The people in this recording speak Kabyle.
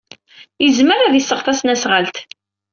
Yezmer ad d-iseɣ tasnasɣalt.